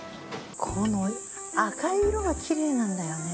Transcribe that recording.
この赤い色がきれいなんだよね。